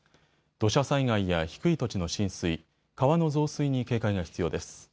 土砂災害や低い土地の浸水、川の増水に警戒が必要です。